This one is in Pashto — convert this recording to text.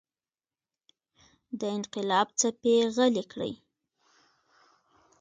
د انقلاب څپې غلې کړي.